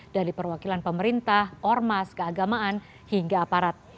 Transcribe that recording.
dari perwakilan pemerintah ormas keagamaan hingga aparat